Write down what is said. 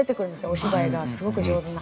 お芝居がすごく上手な。